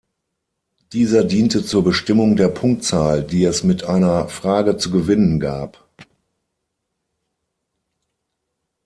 Dieser diente zur Bestimmung der Punktzahl, die es mit einer Frage zu gewinnen gab.